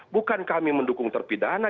bukan kami mendukung terpidana